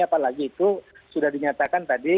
apalagi itu sudah dinyatakan tadi